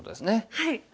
はい。